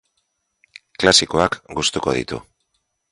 Klasikoak gustuko ditu.